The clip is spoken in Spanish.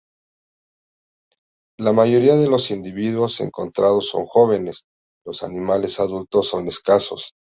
La mayoría de los individuos encontrados son jóvenes, los animales adultos son escasos.